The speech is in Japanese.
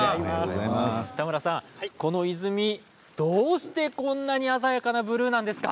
このシーズンにどうしてこんな鮮やかなブルーなんですか。